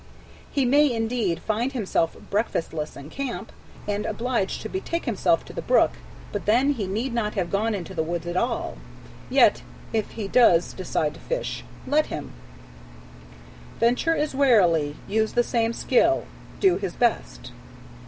He may indeed find himself breakfast less in camp, and obliged to betake himself to the brook, but then he need not have gone into the woods at all. Yet if he does decide to fish, let him "Venture as warily, use the same skill, Do his best